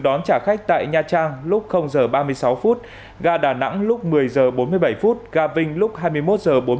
đón trả khách tại nha trang lúc giờ ba mươi sáu phút gà đà nẵng lúc một mươi giờ bốn mươi bảy phút gà vinh lúc hai mươi một giờ bốn mươi bảy